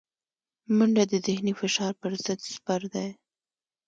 منډه د ذهني فشار پر ضد سپر دی